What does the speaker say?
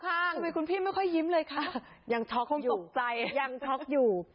ทำไมคุณพี่ไม่ค่อยยิ้มเลยค่ะยังช็อกคงตกใจยังช็อกอยู่